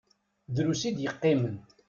Drus i d-yeqqimen.